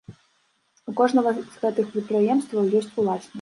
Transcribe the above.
У кожнага з гэтых прадпрыемстваў ёсць уласнік.